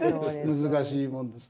難しいもんです。